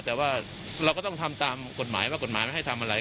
แต่ว่าเราก็ต้องทำตามกฎหมายว่ากฎหมายไม่ให้ทำอะไร